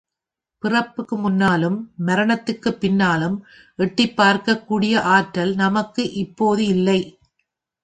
பிறப்புக்கு முன்னாலும், மரணத்திற்குப் பின்னாலும் எட்டிப் பார்க்கக் கூடிய ஆற்றல் நமக்கு இப்போது இல்லை.